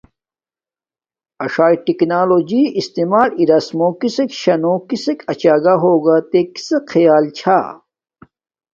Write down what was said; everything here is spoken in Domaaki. اݽ کٹنالوجی استعمال لس مو کسک شاہ نو کسک اچا گہ ہوگا تے کسک خیال چھا